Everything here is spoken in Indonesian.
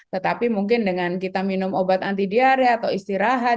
tetapi mungkin dengan kita minum obat anti diare atau istirahat